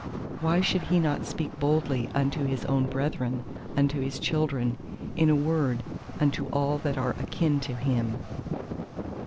Why should he not speak boldly unto his own brethren, unto his children—in a word, unto all that are akin to him!